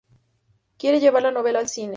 Quiere llevar la novela al cine.